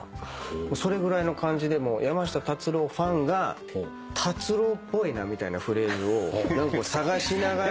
それぐらいの感じで山下達郎ファンが達郎っぽいなみたいなフレーズを探しながら。